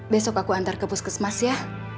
besok aku antar ke puskesmas ya